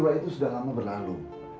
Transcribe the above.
dua itu sudah lama berlalu